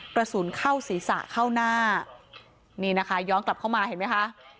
กระสุนเข้าศีรษะเข้าหน้านี่นะคะย้อนกลับเข้ามาเห็นไหมคะ